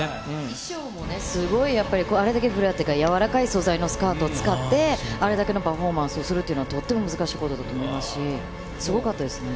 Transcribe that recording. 衣装もね、すごいやっぱり、あれだけ柔らかい素材のスカートを使って、あれだけのパフォーマンスをするっていうのは、とっても難しいことだと思いますし、すごかったですね。